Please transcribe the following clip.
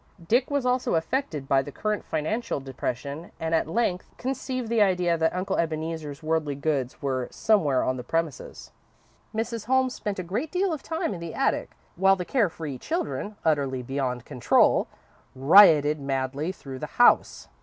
Dick was also affected by the current financial depression, and at length conceived the idea that Uncle Ebeneezer's worldly goods were somewhere on the premises. Mrs. Holmes spent a great deal of time in the attic, while the care free children, utterly beyond control, rioted madly through the house.